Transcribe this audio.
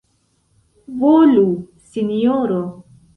Volu, sinjoro.